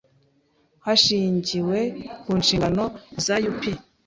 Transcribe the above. hashingiwe ku nshingano za U P